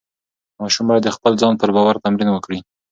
ماشوم باید د خپل ځان پر باور تمرین وکړي.